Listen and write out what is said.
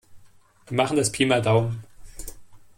Wir machen das Pi mal Daumen.